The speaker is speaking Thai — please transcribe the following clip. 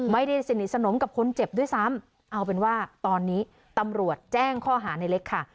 ไม่ได้สนิทสนมกับคนเจ็บด้วยซ้ำเอาเป็นว่าตอนนี้ตำรวจแจ้งข้อหาในเล็กค่ะ